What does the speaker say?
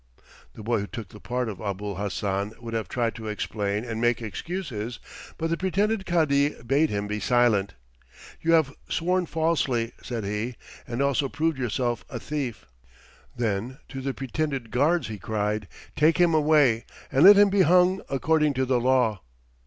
The boy who took the part of Abul Hassan would have tried to explain and make excuses, but the pretended Cadi bade him be silent. "You have sworn falsely," said he, "and also proved yourself a thief." Then to the pretended guards he cried, "Take him away and let him be hung according to the law."